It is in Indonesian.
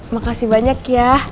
makasih banyak ya